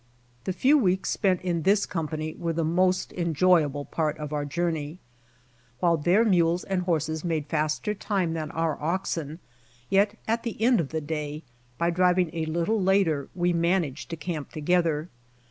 The few weeks spent with this company were the most enjoyable part of our journey. While their males and horses made faster timte than our oxen, 120 BY OX TEAM TO CALIFORNIA yet at the end of the day, by driving a little later we managed to camp together.